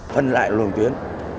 phân lại luồng tuyến